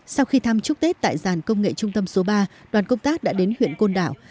sau khi thăm chúc tết tại giàn công nghệ trung tâm số ba đoàn công tác đã đến huyện côn đảo